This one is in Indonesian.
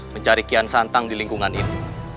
mencari kian santang di lingkungan ini